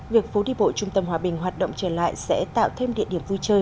việc phố đi bộ trung tâm hòa bình hoạt động trở lại sẽ tạo thêm địa điểm vui chơi